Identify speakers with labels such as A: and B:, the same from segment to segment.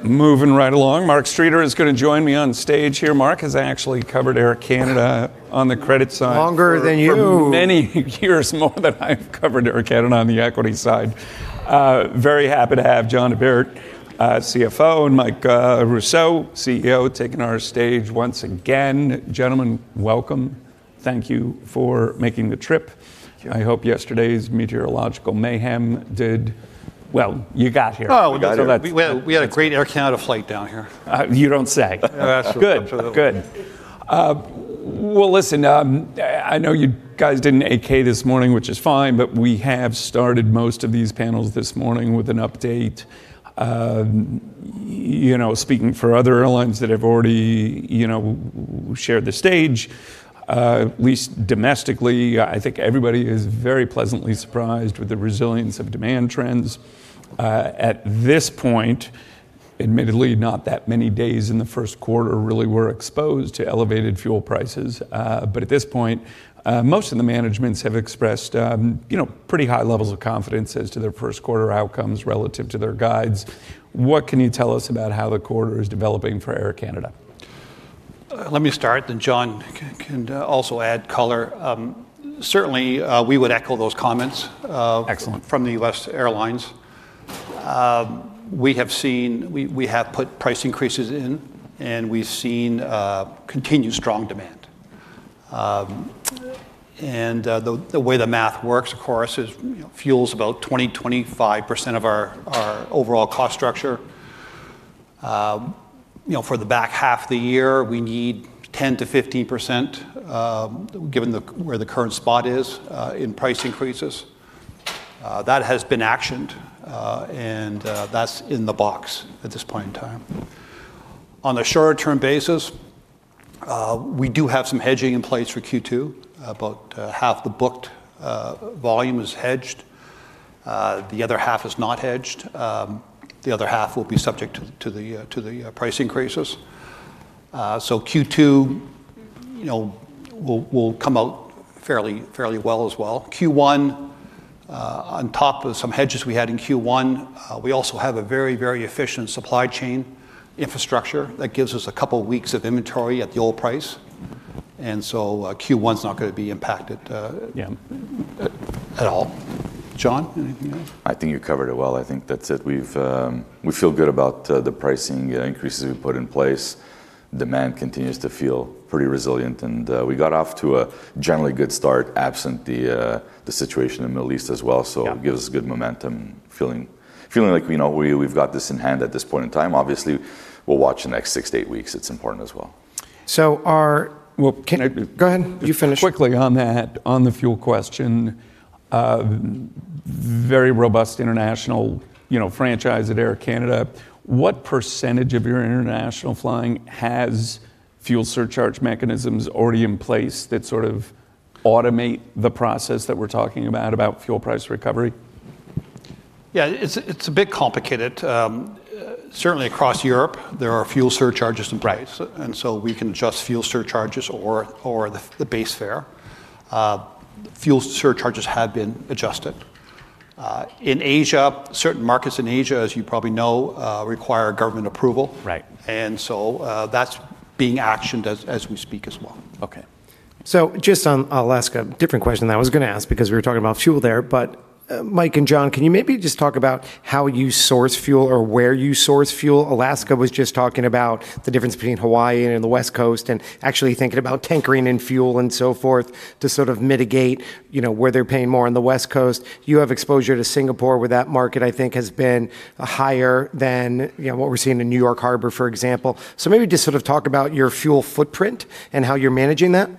A: All right. Moving right along. Mark Streeter is going to join me on stage here. Mark has actually covered Air Canada on the credit side.
B: Longer than you.
A: For many years more than I've covered Air Canada on the equity side. Very happy to have John Bert, CFO, and Mike Rousseau, CEO, taking our stage once again. Gentlemen, welcome. Thank you for making the trip.
C: Thank you.
A: I hope yesterday's meteorological mayhem did. Well, you got here.
C: Oh, we got here.
D: We got here.
C: We had a great Air Canada flight down here.
A: You don't say.
D: Yeah, sure.
A: Good, good. Well, listen, I know you guys didn't 8-K this morning, which is fine, but we have started most of these panels this morning with an update. You know, speaking for other airlines that have already, you know, shared the stage, at least domestically, I think everybody is very pleasantly surprised with the resilience of demand trends. At this point, admittedly not that many days in the first quarter really were exposed to elevated fuel prices, but at this point, most of the managements have expressed, you know, pretty high levels of confidence as to their first quarter outcomes relative to their guides. What can you tell us about how the quarter is developing for Air Canada?
C: Let me start, then John can also add color. Certainly, we would echo those comments.
A: Excellent.
C: From the U.S. airlines. We have put price increases in, and we've seen continued strong demand. The way the math works, of course, is, you know, fuel's about 20%-25% of our overall cost structure. You know, for the back half of the year, we need 10%-15%, given where the current spot is in price increases. That has been actioned, and that's in the box at this point in time. On a shorter term basis, we do have some hedging in place for Q2. About half the booked volume is hedged. The other half is not hedged. The other half will be subject to the price increases. Q2, you know, will come out fairly well as well. Q1, on top of some hedges we had in Q1, we also have a very efficient supply chain infrastructure that gives us a couple weeks of inventory at the old price, and so, Q1's not gonna be impacted.
A: Yeah.
C: John, anything to add?
D: I think you covered it well. I think that's it. We feel good about the pricing increases we've put in place. Demand continues to feel pretty resilient, and we got off to a generally good start absent the situation in the Middle East as well.
A: Yeah.
D: It gives us good momentum, feeling like we know we've got this in hand at this point in time. Obviously, we'll watch the next six to eight weeks. It's important as well.
C: Go ahead. You finish.
A: Quickly on that, on the fuel question, very robust international, you know, franchise at Air Canada. What percentage of your international flying has fuel surcharge mechanisms already in place that sort of automate the process that we're talking about fuel price recovery?
C: Yeah. It's a bit complicated. Certainly across Europe, there are fuel surcharges in place. Right. We can adjust fuel surcharges or the base fare. Fuel surcharges have been adjusted. In Asia, certain markets in Asia, as you probably know, require government approval.
A: Right.
C: That's being actioned as we speak as well.
A: Okay.
B: Just on, I'll ask a different question than I was gonna ask because we were talking about fuel there, but, Mike and John, can you maybe just talk about how you source fuel or where you source fuel? Alaska was just talking about the difference between Hawaii and the West Coast, and actually thinking about tinkering in fuel and so forth to sort of mitigate, you know, where they're paying more on the West Coast. You have exposure to Singapore, where that market, I think, has been higher than, you know, what we're seeing in New York Harbor, for example. Maybe just sort of talk about your fuel footprint and how you're managing that.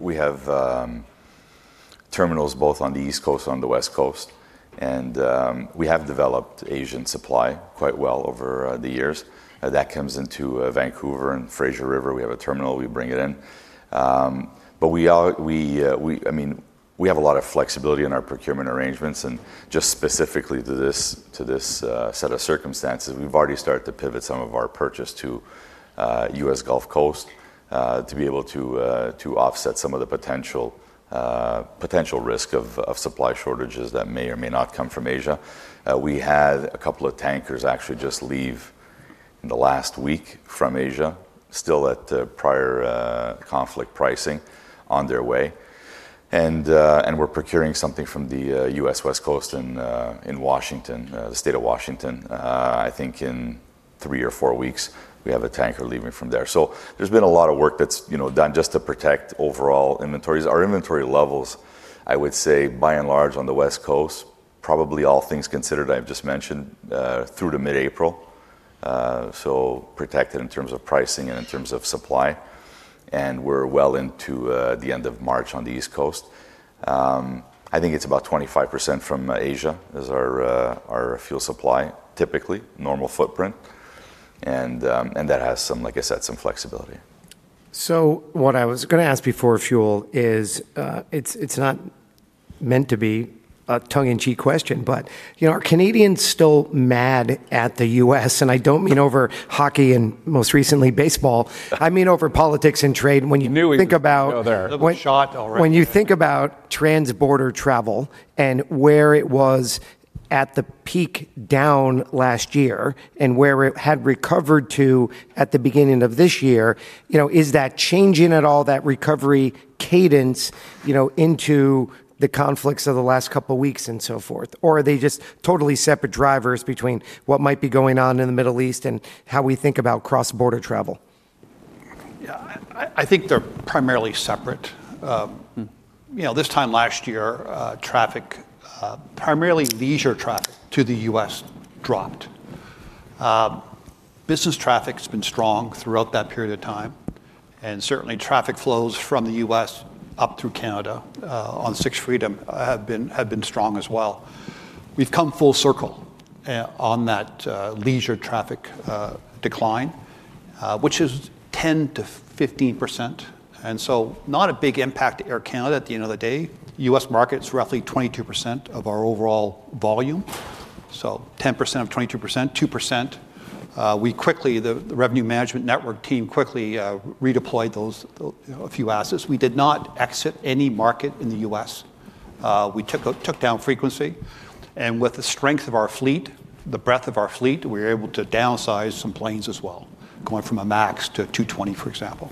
D: We have terminals both on the East Coast and on the West Coast, and we have developed Asian supply quite well over the years. That comes into Vancouver and Fraser River. We have a terminal. We bring it in. I mean, we have a lot of flexibility in our procurement arrangements, and just specifically to this set of circumstances, we have already started to pivot some of our purchases to U.S. Gulf Coast to be able to offset some of the potential risk of supply shortages that may or may not come from Asia. We had a couple of tankers actually just leave in the last week from Asia, still at pre-conflict pricing on their way. We're procuring something from the U.S. West Coast in Washington, the state of Washington. I think in three or four weeks we have a tanker leaving from there. There's been a lot of work that's, you know, done just to protect overall inventories. Our inventory levels, I would say by and large on the West Coast, probably all things considered I've just mentioned, through to mid-April, so protected in terms of pricing and in terms of supply, and we're well into the end of March on the East Coast. I think it's about 25% from Asia is our fuel supply, typically, normal footprint, and that has some, like I said, some flexibility.
B: What I was gonna ask before fuel is, it's not meant to be a tongue-in-cheek question, but, you know, are Canadians still mad at the U.S., and I don't mean over hockey and most recently baseball, I mean over politics and trade. When you think about.
A: You knew it was coming. No other shot already.
B: When you think about Transborder travel and where it was at the peak down last year and where it had recovered to at the beginning of this year, you know, is that changing at all, that recovery cadence, you know, into the conflicts of the last couple weeks and so forth? Or are they just totally separate drivers between what might be going on in the Middle East and how we think about cross-border travel?
C: Yeah, I think they're primarily separate. You know, this time last year, traffic primarily leisure travel to the U.S. dropped. Business traffic's been strong throughout that period of time, and certainly traffic flows from the U.S. up through Canada on sixth freedom have been strong as well. We've come full circle on that leisure traffic decline, which is 10%-15%, and so not a big impact to Air Canada at the end of the day. U.S. market's roughly 22% of our overall volume, so 10% of 22%, 2%. We quickly the revenue management network team quickly redeployed those, you know, a few assets. We did not exit any market in the U.S. We took down frequency, and with the strength of our fleet, the breadth of our fleet, we were able to downsize some planes as well, going from a MAX to a 220, for example.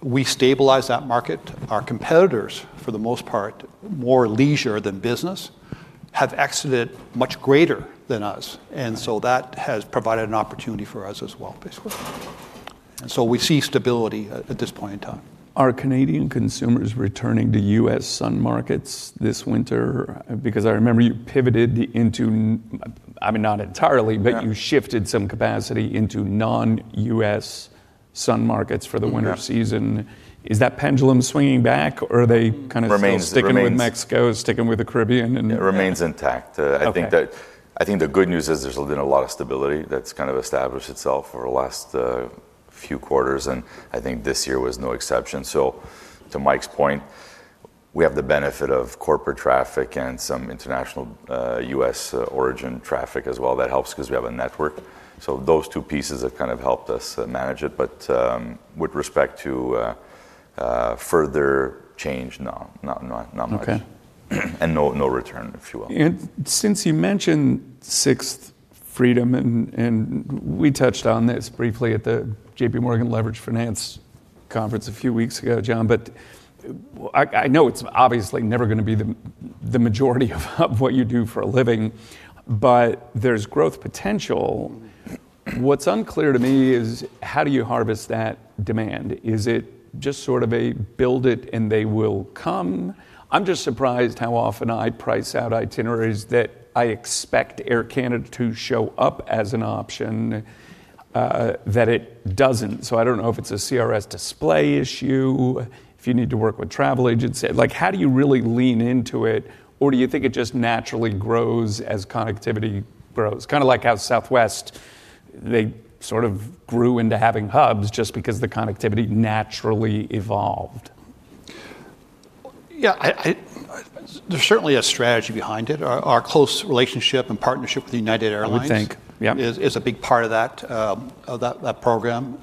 C: We stabilized that market. Our competitors, for the most part more leisure than business, have exited much greater than us, and so that has provided an opportunity for us as well, basically. We see stability at this point in time.
A: Are Canadian consumers returning to U.S. sun markets this winter? Because I remember you pivoted into, I mean, not entirely.
D: Yeah.
A: You shifted some capacity into non-U.S. sun markets for the winter season.
D: Yeah.
A: Is that pendulum swinging back, or are they kind of still?
D: Remains.
A: Sticking with Mexico, sticking with the Caribbean and.
D: It remains intact.
A: Okay.
D: I think the good news is there's been a lot of stability that's kind of established itself over the last few quarters, and I think this year was no exception. To Mike's point, we have the benefit of corporate traffic and some international U.S. origin traffic as well. That helps 'cause we have a network. Those two pieces have kind of helped us manage it. With respect to further change, no. Not much.
A: Okay.
D: No return, if you will.
A: Since you mentioned sixth freedom, and we touched on this briefly at the JPMorgan Leveraged Finance conference a few weeks ago, John, but I know it's obviously never gonna be the majority of what you do for a living, but there's growth potential. What's unclear to me is how do you harvest that demand? Is it just sort of a build it and they will come? I'm just surprised how often I price out itineraries that I expect Air Canada to show up as an option, that it doesn't. I don't know if it's a CRS display issue, if you need to work with travel agents. Like, how do you really lean into it, or do you think it just naturally grows as connectivity grows? Kind of like how Southwest, they sort of grew into having hubs just because the connectivity naturally evolved.
C: Yeah. There's certainly a strategy behind it. Our close relationship and partnership with United Airlines.
A: I would think. Yeah.
C: It is a big part of that program.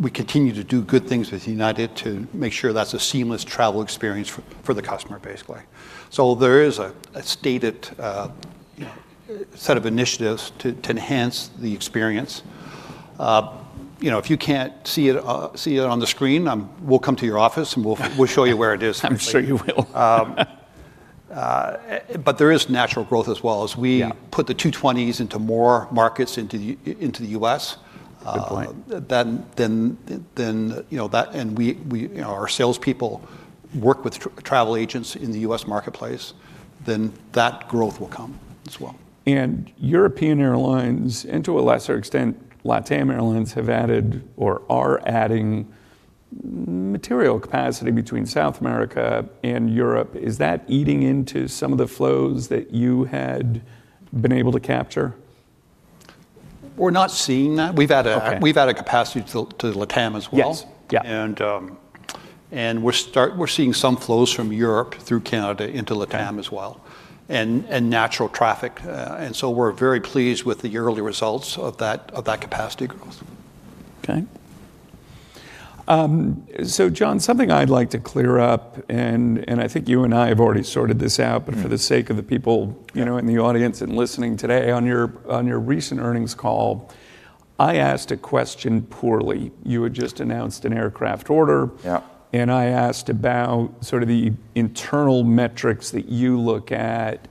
C: We continue to do good things with United to make sure that's a seamless travel experience for the customer, basically. There is a stated you know set of initiatives to enhance the experience. You know, if you can't see it on the screen, we'll come to your office and we'll show you where it is.
A: I'm sure you will.
C: There is natural growth as well.
A: Yeah.
C: As we put the A220s into more markets into the U.S.
A: Good point.
C: You know that and we you know our salespeople work with travel agents in the U.S. marketplace, then that growth will come as well.
A: European airlines, and to a lesser extent LATAM Airlines, have added or are adding material capacity between South America and Europe. Is that eating into some of the flows that you had been able to capture?
C: We're not seeing that.
A: Okay.
C: We've added capacity to LATAM as well.
A: Yes. Yeah.
C: We're seeing some flows from Europe through Canada into LATAM as well.
A: Okay.
C: Natural traffic, and so we're very pleased with the yearly results of that capacity growth.
A: Okay. John, something I'd like to clear up, and I think you and I have already sorted this out. For the sake of the people, you know, in the audience and listening today, on your recent earnings call, I asked a question poorly. You had just announced an aircraft order.
D: Yeah.
A: I asked about sort of the internal metrics that you look at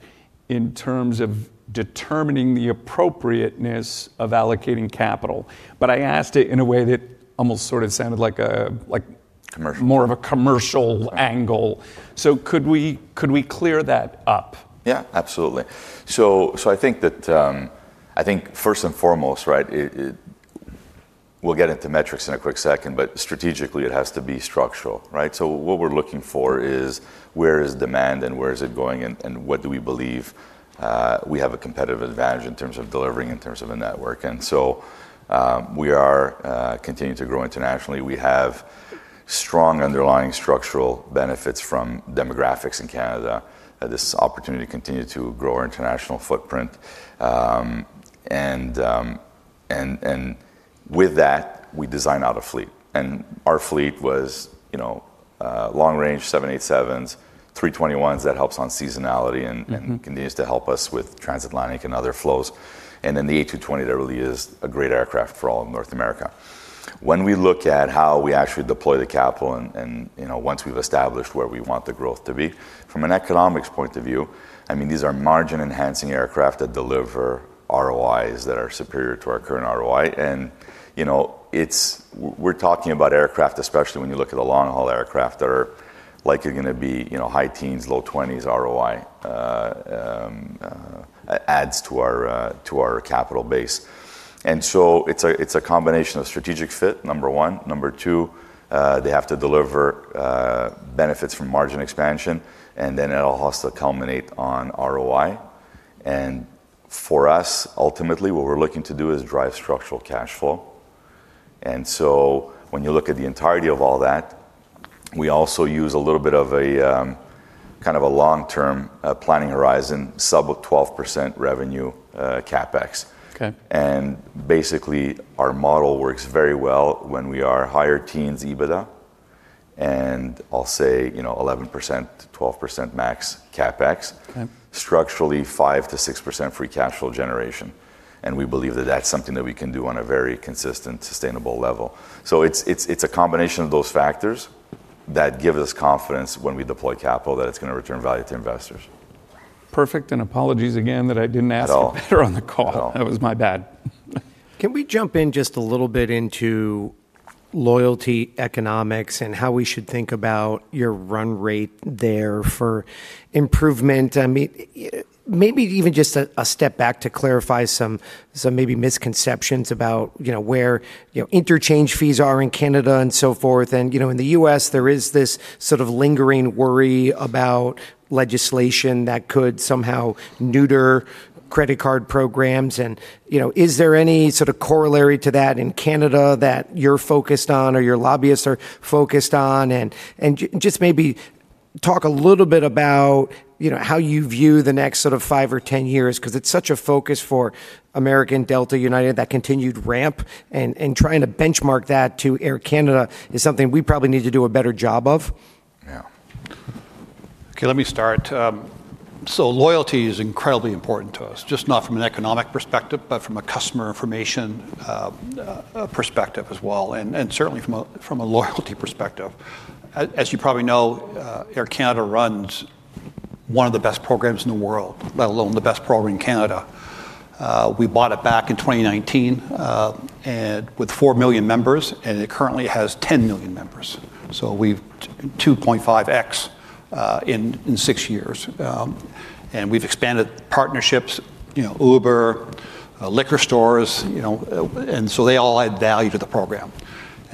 A: in terms of determining the appropriateness of allocating capital, but I asked it in a way that almost sort of sounded like a, like.
D: Commercial.
A: More of a commercial angle. Could we clear that up?
D: Yeah, absolutely. I think first and foremost, right. We'll get into metrics in a quick second, but strategically, it has to be structural, right? What we're looking for is where is demand and where is it going and what do we believe we have a competitive advantage in terms of delivering, in terms of a network. We are continuing to grow internationally. We have strong underlying structural benefits from demographics in Canada, this opportunity to continue to grow our international footprint. With that, we design out a fleet. Our fleet was, you know, long-range 787s, 321s. That helps on seasonality and continues to help us with transatlantic and other flows. Then the A220, that really is a great aircraft for all of North America. When we look at how we actually deploy the capital and you know, once we've established where we want the growth to be, from an economic point of view, I mean, these are margin-enhancing aircraft that deliver ROIs that are superior to our current ROI. You know, it's. We're talking about aircraft, especially when you look at the long-haul aircraft, that are likely gonna be you know, high teens, low 20s ROI, adds to our capital base. It's a combination of strategic fit, number one. Number two, they have to deliver benefits from margin expansion, and then it'll also culminate on ROI. For us, ultimately, what we're looking to do is drive structural cash flow. When you look at the entirety of all that, we also use a little bit of a kind of a long-term planning horizon, sub 12% revenue CapEx.
A: Okay.
D: Basically, our model works very well when we are higher teens EBITDA. I'll say, you know, 11%-12% max CapEx.
A: Okay.
D: Structurally, 5%-6% free cash flow generation, and we believe that that's something that we can do on a very consistent, sustainable level. It's a combination of those factors that give us confidence when we deploy capital that it's gonna return value to investors.
A: Perfect, apologies again that I didn't ask.
D: At all.
A: It better on the call.
D: At all.
A: That was my bad.
B: Can we jump in just a little bit into loyalty economics and how we should think about your run rate there for improvement? I mean, maybe even just a step back to clarify some maybe misconceptions about, you know, where, you know, interchange fees are in Canada and so forth. You know, in the U.S., there is this sort of lingering worry about legislation that could somehow neuter credit card programs and, you know, is there any sort of corollary to that in Canada that you're focused on or your lobbyists are focused on? Just maybe talk a little bit about, you know, how you view the next sort of five or 10 years, 'cause it's such a focus for American, Delta, United, that continued ramp, and trying to benchmark that to Air Canada is something we probably need to do a better job of.
D: Yeah.
C: Okay, let me start. Loyalty is incredibly important to us, just not from an economic perspective, but from a customer information perspective as well, and certainly from a loyalty perspective. As you probably know, Air Canada runs one of the best programs in the world, let alone the best program in Canada. We bought it back in 2019 with 4 million members, and it currently has 10 million members. We've 2.5x in six years. And we've expanded partnerships, you know, Uber, liquor stores, you know, and they all add value to the program.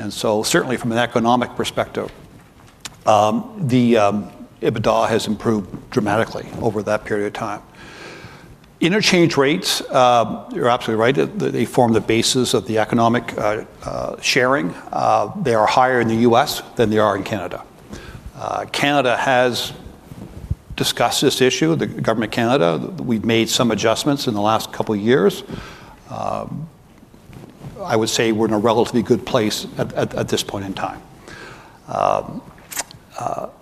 C: Certainly from an economic perspective, the EBITDA has improved dramatically over that period of time. Interchange rates, you're absolutely right. They form the basis of the economic sharing. They are higher in the U.S. than they are in Canada. Canada has discussed this issue, the government of Canada. We've made some adjustments in the last couple years. I would say we're in a relatively good place at this point in time.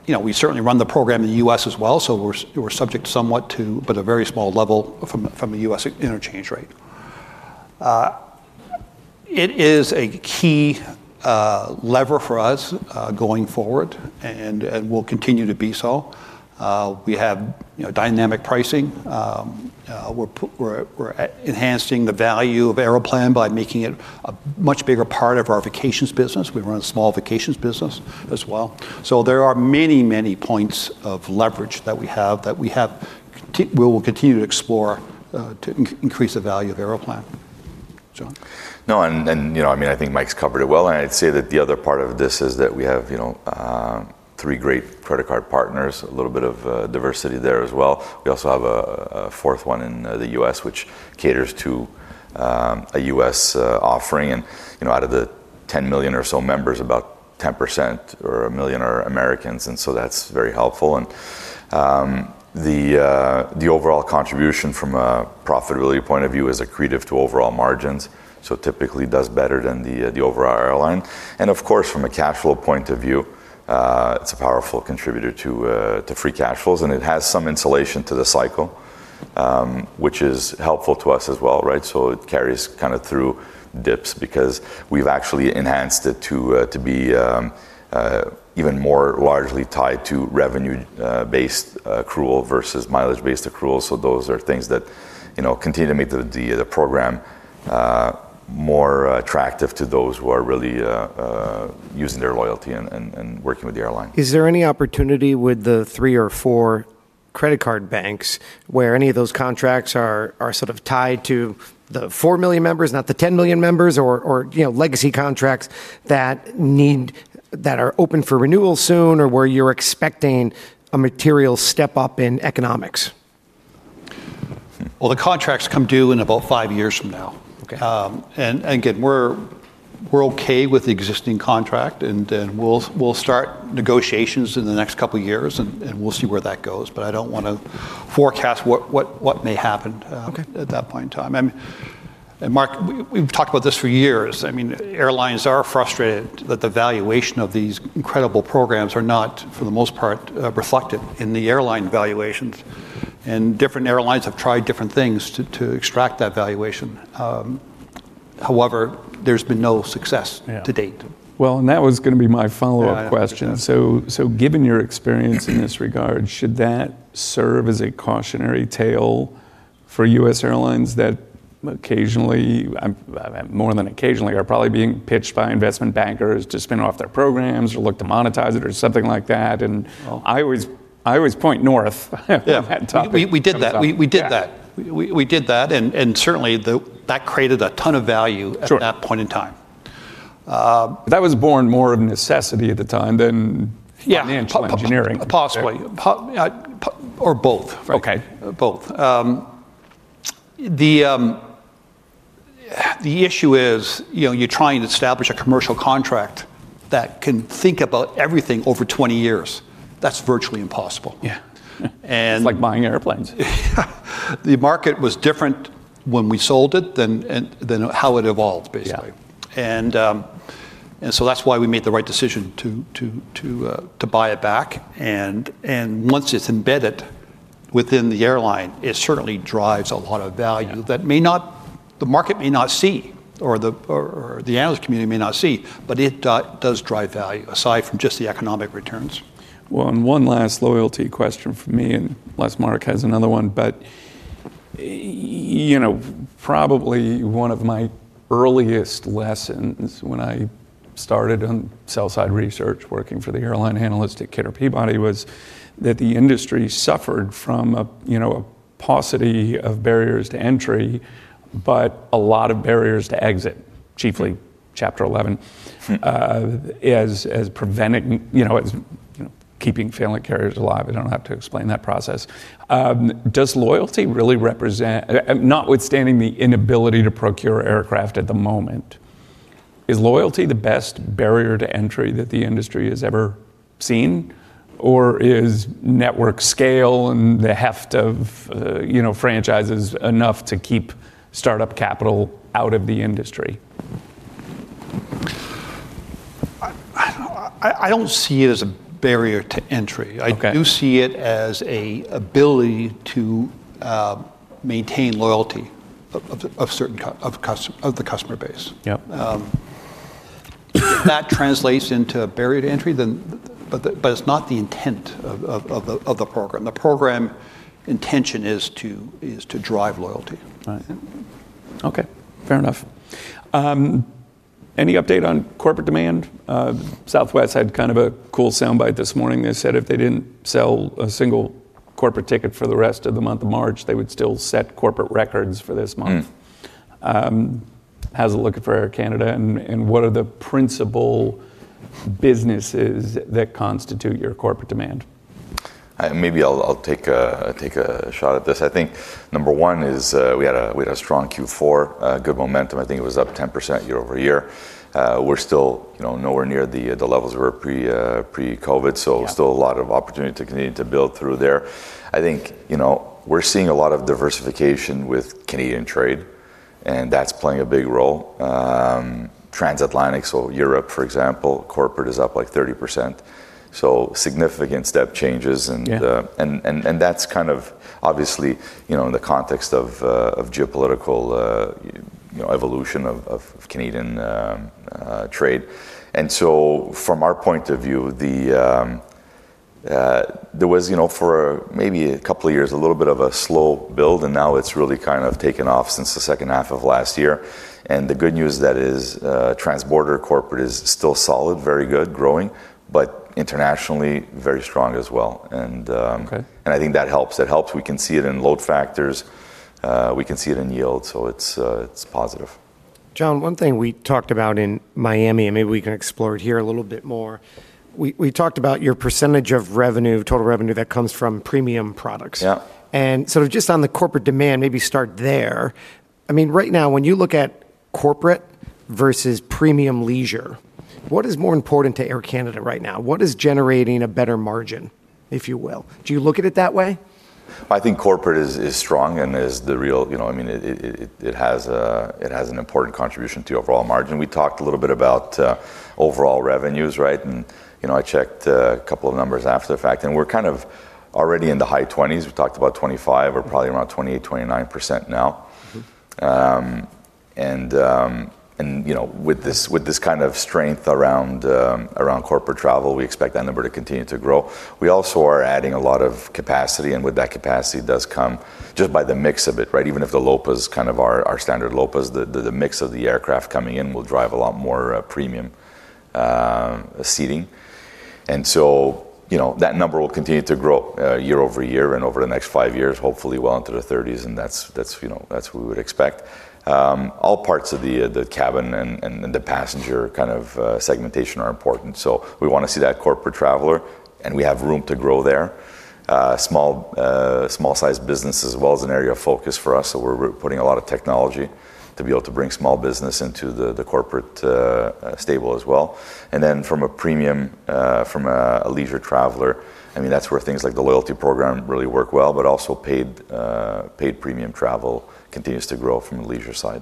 C: You know, we certainly run the program in the U.S. as well, so we're subject somewhat to, but a very small level, from a U.S. interchange rate. It is a key lever for us going forward, and will continue to be so. You know, we have dynamic pricing. We're enhancing the value of Aeroplan by making it a much bigger part of our vacations business. We run a small vacations business as well. There are many, many points of leverage that we have we will continue to explore to increase the value of Aeroplan. John?
D: No, you know, I mean, I think Mike's covered it well. I'd say that the other part of this is that we have, you know, three great credit card partners, a little bit of diversity there as well. We also have a fourth one in the U.S. which caters to a U.S. offering and, you know, out of the 10 million or so members, about 10% or 1 million are Americans, and so that's very helpful. The overall contribution from a profitability point of view is accretive to overall margins, so typically does better than the overall airline. Of course, from a cash flow point of view, it's a powerful contributor to free cash flows, and it has some insulation to the cycle, which is helpful to us as well, right? It carries kinda through dips because we've actually enhanced it to be even more largely tied to revenue-based accrual versus mileage-based accrual. Those are things that, you know, continue to make the program more attractive to those who are really using their loyalty and working with the airline.
B: Is there any opportunity with the three or four credit card banks where any of those contracts are sort of tied to the 4 million members, not the 10 million members? Or, you know, legacy contracts that are open for renewal soon, or where you're expecting a material step up in economics?
C: Well, the contracts come due in about five years from now.
B: Okay.
C: Again, we're okay with the existing contract, and then we'll start negotiations in the next couple years and we'll see where that goes. I don't wanna forecast what may happen.
B: Okay.
C: At that point in time. Mark, we've talked about this for years. I mean, airlines are frustrated that the valuation of these incredible programs are not, for the most part, reflected in the airline valuations. Different airlines have tried different things to extract that valuation. However, there's been no success.
B: Yeah.
C: To date.
A: Well, that was gonna be my follow-up question.
C: Yeah, I understand.
A: Given your experience in this regard, should that serve as a cautionary tale for U.S. airlines that occasionally, more than occasionally, are probably being pitched by investment bankers to spin off their programs or look to monetize it or something like that?
C: Well.
A: I always point north on that topic.
C: Yeah, we did that. We did that.
A: Yeah.
C: We did that and certainly that created a ton of value.
A: Sure.
C: At that point in time.
A: That was born more of necessity at the time than.
C: Yeah.
A: Financial engineering.
C: Possibly. Both, right?
A: Okay.
C: Both. The issue is, you know, you're trying to establish a commercial contract that can think about everything over 20 years. That's virtually impossible.
A: Yeah.
C: And.
A: It's like buying airplanes.
C: Yeah. The market was different when we sold it than how it evolved, basically.
A: Yeah.
C: that's why we made the right decision to buy it back. Once it's embedded within the airline, it certainly drives a lot of value.
A: Yeah.
C: That the market may not see, or the analyst community may not see, but it does drive value, aside from just the economic returns.
A: Well, one last loyalty question from me, unless Mark has another one. You know, probably one of my earliest lessons when I started on sell-side research working for the airline analyst at Kidder, Peabody & Co., was that the industry suffered from a, you know, a paucity of barriers to entry, but a lot of barriers to exit, chiefly Chapter 11. As preventing, you know, it's keeping failing carriers alive. I don't have to explain that process. Does loyalty really represent notwithstanding the inability to procure aircraft at the moment, is loyalty the best barrier to entry that the industry has ever seen? Or is network scale and the heft of, you know, franchises enough to keep startup capital out of the industry?
C: I don't see it as a barrier to entry.
A: Okay.
C: I do see it as an ability to maintain loyalty of certain of the customer base.
A: Yep.
C: If that translates into a barrier to entry, but it's not the intent of the program. The program's intention is to drive loyalty.
A: Got it. Okay. Fair enough. Any update on corporate demand? Southwest had kind of a cool soundbite this morning. They said if they didn't sell a single corporate ticket for the rest of the month of March, they would still set corporate records for this month. How's it looking for Air Canada, and what are the principal businesses that constitute your corporate demand?
D: Maybe I'll take a shot at this. I think number one is we had a strong Q4, good momentum. I think it was up 10% year-over-year. We're still, you know, nowhere near the levels we were pre-COVID, so.
A: Yeah.
D: Still a lot of opportunity to continue to build through there. I think, you know, we're seeing a lot of diversification with Canadian trade, and that's playing a big role. Transatlantic, so Europe, for example, corporate is up, like, 30%, so significant step changes.
A: Yeah.
D: That's kind of obviously, you know, in the context of geopolitical, you know, evolution of Canadian trade. From our point of view, there was, you know, for maybe a couple of years, a little bit of a slow build, and now it's really kind of taken off since the second half of last year. The good news that is transborder corporate is still solid, very good, growing, but internationally, very strong as well.
A: Okay.
D: I think that helps. It helps. We can see it in load factors, we can see it in yield, so it's positive.
B: John, one thing we talked about in Miami, and maybe we can explore it here a little bit more, we talked about your percentage of revenue, total revenue, that comes from premium products.
D: Yeah.
B: Sort of just on the corporate demand, maybe start there. I mean, right now, when you look at corporate versus premium leisure, what is more important to Air Canada right now? What is generating a better margin, if you will? Do you look at it that way?
D: I think corporate is strong and is the real, you know, I mean, it has an important contribution to overall margin. We talked a little bit about overall revenues, right? You know, I checked a couple of numbers after the fact, and we're kind of already in the high 20s. We talked about 25. We're probably around 28, 29% now. You know, with this kind of strength around corporate travel, we expect that number to continue to grow. We also are adding a lot of capacity, and with that capacity does come, just by the mix of it, right, even if the LOPAs, kind of our standard LOPAs, the mix of the aircraft coming in will drive a lot more premium seating. You know, that number will continue to grow year-over-year and over the next five years, hopefully well into the 30s, and that's what we would expect. All parts of the cabin and the passenger kind of segmentation are important, so we wanna see that corporate traveler, and we have room to grow there. Small-sized business as well is an area of focus for us, so we're putting a lot of technology to be able to bring small business into the corporate stable as well. From a leisure traveler, I mean, that's where things like the loyalty program really work well, but also paid premium travel continues to grow from the leisure side.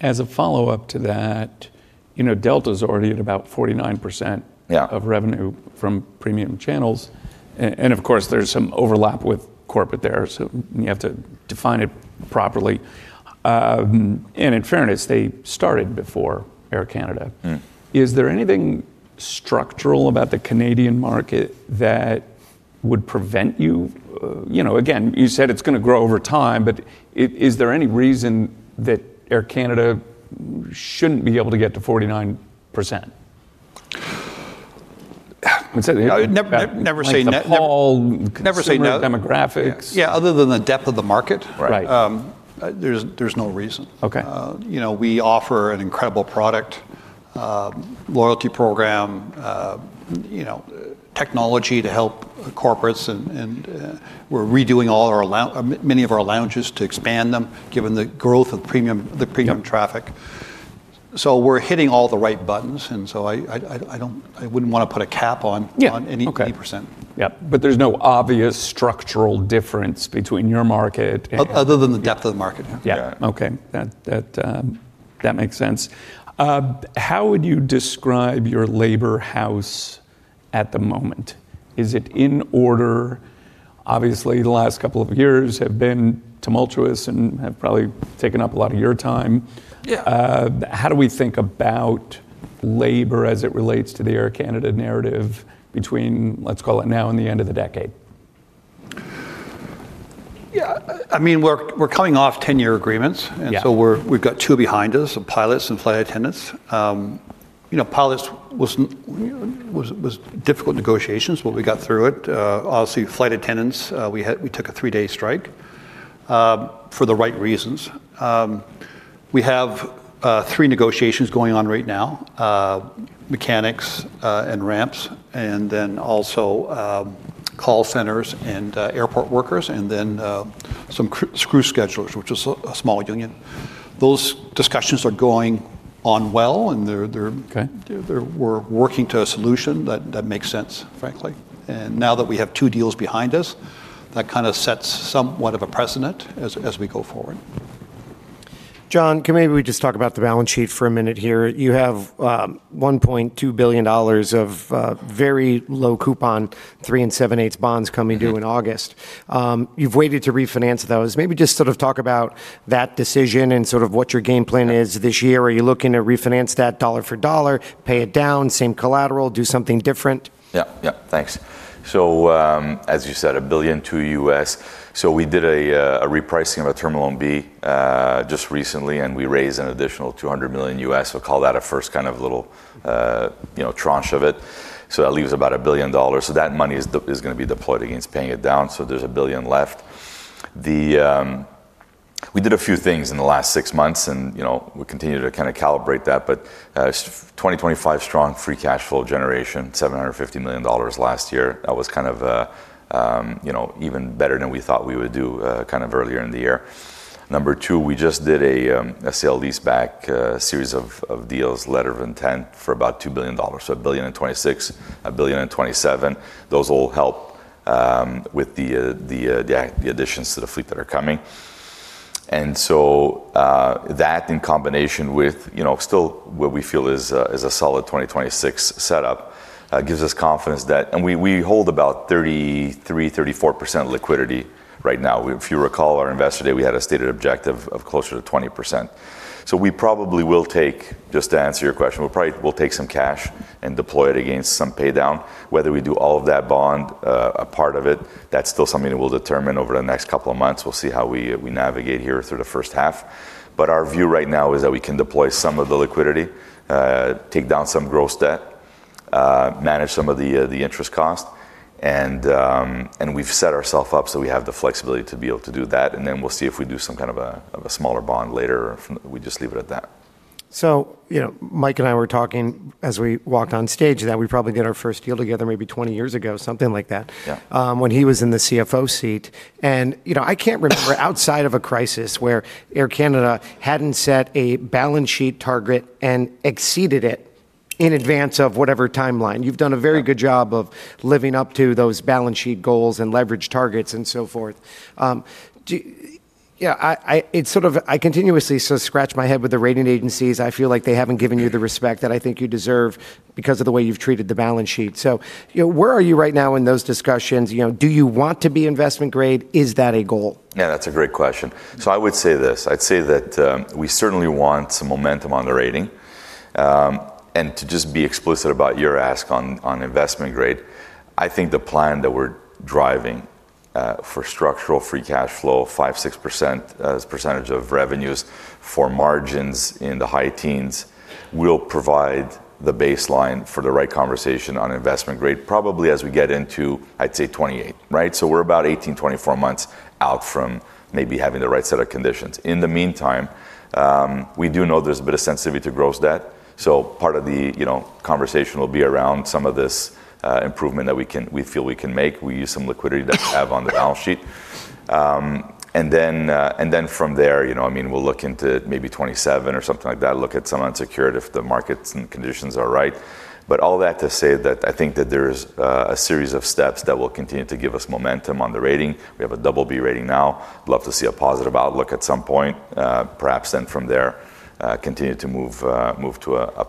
A: As a follow-up to that, you know, Delta's already at about 49%.
D: Yeah.
C: Of revenue from premium channels and of course, there's some overlap with corporate there, so you have to define it properly. In fairness, they started before Air Canada. Is there anything structural about the Canadian market that would prevent you know, again, you said it's gonna grow over time, but is there any reason that Air Canada shouldn't be able to get to 49%?
D: I'd say.
C: Never say never.
D: Like the whole consumer demographics.
C: Never say never. Yeah, other than the depth of the market.
D: Right.
C: Right. There's no reason.
D: Okay.
C: You know, we offer an incredible product, loyalty program, technology to help corporates and we're redoing many of our lounges to expand them, given the growth of the premium traffic. We're hitting all the right buttons. I wouldn't wanna put a cap on.
D: Yeah.
C: On any percent.
A: Okay. Yep. There's no obvious structural difference between your market and.
C: Other than the depth of the market.
D: Yeah.
A: Yeah. Okay. That makes sense. How would you describe your labor force at the moment? Is it in order? Obviously, the last couple of years have been tumultuous and have probably taken up a lot of your time.
C: Yeah.
A: How do we think about labor as it relates to the Air Canada narrative between, let's call it now and the end of the decade?
C: Yeah. I mean, we're coming off 10-year agreements.
D: Yeah.
C: We've got two behind us, so pilots and flight attendants. You know, pilots was difficult negotiations, but we got through it. Obviously, flight attendants, we took a three-day strike for the right reasons. We have three negotiations going on right now, mechanics and ramps, and then also call centers and airport workers, and then some crew schedulers, which is a small union. Those discussions are going on well, and they're.
D: Okay.
C: We're working to a solution that makes sense, frankly. Now that we have two deals behind us, that kinda sets somewhat of a precedent as we go forward.
B: John, can maybe we just talk about the balance sheet for a minute here? You have $1.2 billion of very low coupon, 3 7/8 bonds coming due in August. You've waited to refinance those. Maybe just sort of talk about that decision and sort of what your game plan is this year. Are you looking to refinance that dollar for dollar, pay it down, same collateral, do something different?
D: Yeah. Thanks. As you said, $1.2 billion U.S. We did a repricing of a Term Loan B just recently, and we raised an additional $200 million U.S., so call that a first kind of little, you know, tranche of it. That leaves about $1 billion. That money is gonna be deployed against paying it down. There's $1 billion left. We did a few things in the last six months and, you know, we continue to kinda calibrate that. 2025 strong free cash flow generation, $750 million last year. That was kind of a, you know, even better than we thought we would do, kind of earlier in the year. Number two, we just did a sale-leaseback series of deals, letter of intent for about 2 billion dollars, so 1.026 billion, 1.027 billion. Those will help with the additions to the fleet that are coming. That in combination with, you know, still what we feel is a solid 2026 setup gives us confidence that we hold about 33%-34% liquidity right now. If you recall our Investor Day, we had a stated objective of closer to 20%. We probably will take, just to answer your question, some cash and deploy it against some paydown. Whether we do all of that bond, a part of it, that's still something that we'll determine over the next couple of months. We'll see how we navigate here through the first half. Our view right now is that we can deploy some of the liquidity, take down some gross debt, manage some of the interest cost. We've set ourselves up so we have the flexibility to be able to do that. Then we'll see if we do some kind of a smaller bond later or if we just leave it at that.
B: You know, Mike and I were talking as we walked on stage that we probably did our first deal together maybe 20 years ago, something like that.
D: Yeah.
B: when he was in the CFO seat. You know, I can't remember outside of a crisis where Air Canada hadn't set a balance sheet target and exceeded it in advance of whatever timeline. You've done a very good job of living up to those balance sheet goals and leverage targets and so forth. It's sort of I continuously sort of scratch my head with the rating agencies. I feel like they haven't given you the respect that I think you deserve because of the way you've treated the balance sheet. You know, where are you right now in those discussions? You know, do you want to be investment grade? Is that a goal?
D: Yeah, that's a great question. I would say this. I'd say that, we certainly want some momentum on the rating. To just be explicit about your ask on investment grade, I think the plan that we're driving for structural free cash flow, 5%-6% as percentage of revenues for margins in the high teens will provide the baseline for the right conversation on investment grade, probably as we get into, I'd say 2028, right? We're about 18-24 months out from maybe having the right set of conditions. In the meantime, we do know there's a bit of sensitivity to gross debt, so part of the, you know, conversation will be around some of this improvement that we feel we can make. We use some liquidity that we have on the balance sheet. From there, you know, I mean, we'll look into maybe 2027 or something like that, look at some unsecured if the markets and conditions are right. All that to say that I think that there's a series of steps that will continue to give us momentum on the rating. We have a double B rating now. Love to see a positive outlook at some point. Perhaps from there, continue to move to A+.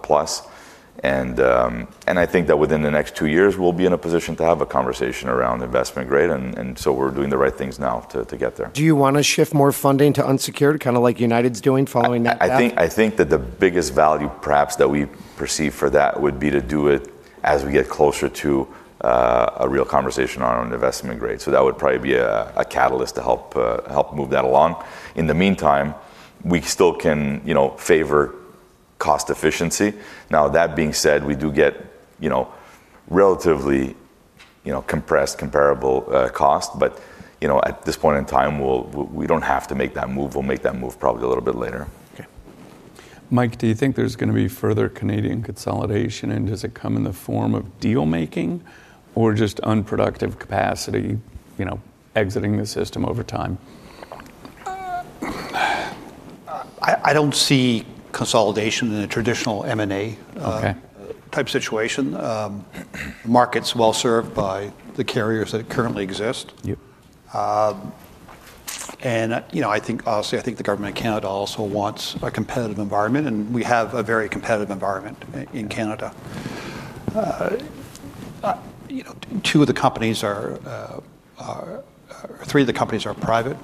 D: I think that within the next two years, we'll be in a position to have a conversation around investment grade, so we're doing the right things now to get there.
B: Do you wanna shift more funding to unsecured, kinda like United's doing following that path?
D: I think that the biggest value perhaps that we perceive for that would be to do it. As we get closer to a real conversation around investment grade. That would probably be a catalyst to help move that along. In the meantime, we still can, you know, favor cost efficiency. Now with that being said, we do get, you know, relatively, you know, compressed comparable cost. You know, at this point in time, we don't have to make that move. We'll make that move probably a little bit later.
A: Okay. Mike, do you think there's gonna be further Canadian consolidation? Does it come in the form of deal-making or just unproductive capacity, you know, exiting the system over time?
C: I don't see consolidation in a traditional M&A.
A: Okay.
C: Type situation. Market's well-served by the carriers that currently exist.
A: Yep.
C: You know, I think, honestly, I think the Government of Canada also wants a competitive environment, and we have a very competitive environment in Canada. You know, three of the companies are private.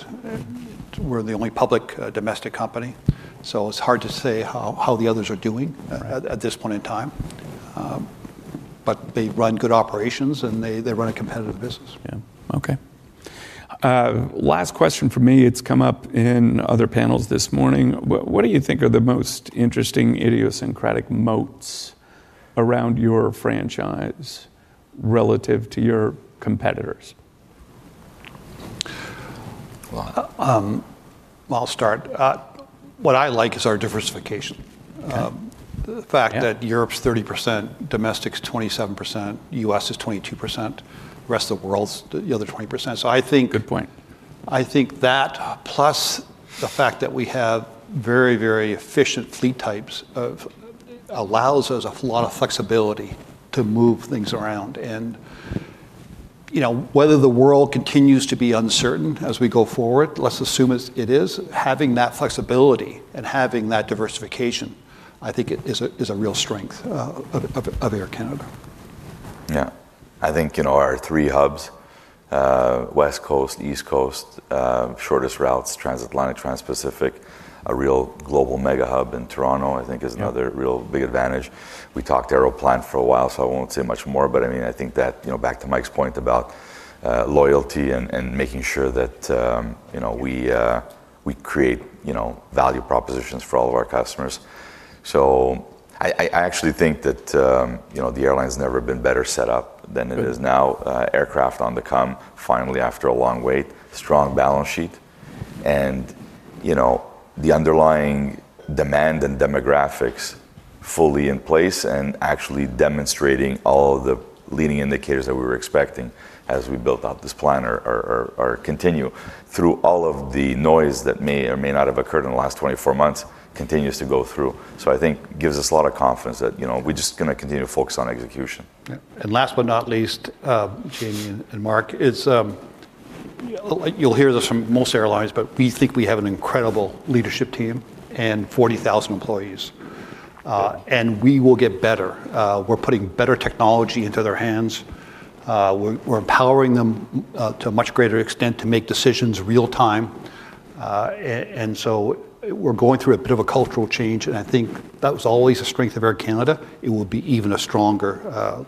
C: We're the only public domestic company, so it's hard to say how the others are doing at this point in time. They run good operations, and they run a competitive business.
A: Yeah. Okay. Last question from me, it's come up in other panels this morning. What do you think are the most interesting idiosyncratic moats around your franchise relative to your competitors?
D: Well.
C: I'll start. What I like is our diversification.
A: Okay. Yeah.
C: The fact that Europe's 30%, domestic's 27%, U.S. is 22%, the rest of the world's the other 20%. I think
A: Good point.
C: I think that plus the fact that we have very, very efficient fleet types allows us a lot of flexibility to move things around. You know, whether the world continues to be uncertain as we go forward, let's assume it is. Having that flexibility and having that diversification, I think is a real strength of Air Canada.
D: Yeah. I think, you know, our three hubs, West Coast, East Coast, shortest routes, transatlantic, transpacific, a real global mega hub in Toronto, I think is another.
A: Yeah.
D: Real big advantage. We talked Aeroplan for a while, so I won't say much more, but I mean, I think that, you know, back to Mike's point about loyalty and making sure that, you know, we create, you know, value propositions for all of our customers. I actually think that, you know, the airline's never been better set up than it is now. Aircraft on the come finally after a long wait, strong balance sheet, and, you know, the underlying demand and demographics fully in place and actually demonstrating all of the leading indicators that we were expecting as we built out this plan are continue through all of the noise that may or may not have occurred in the last 24 months, continues to go through. I think gives us a lot of confidence that, you know, we're just gonna continue to focus on execution.
C: Yeah. Last but not least, Jamie and Mark, you'll hear this from most airlines, but we think we have an incredible leadership team and 40,000 employees. We will get better. We're putting better technology into their hands. We're empowering them to a much greater extent to make decisions real time. We're going through a bit of a cultural change, and I think that was always a strength of Air Canada. It will be even a stronger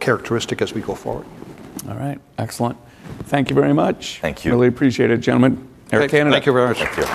C: characteristic as we go forward.
A: All right. Excellent. Thank you very much.
D: Thank you.
A: Really appreciate it, gentlemen. Air Canada.
C: Thank you very much.
D: Thank you.